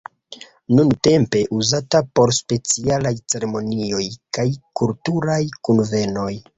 Nuntempe uzata por specialaj ceremonioj kaj kulturaj kunvenoj.